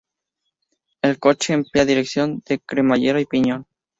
El coche emplea dirección de cremallera y piñón.